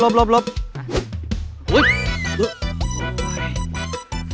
โอ๊ย